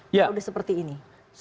kalau sudah seperti ini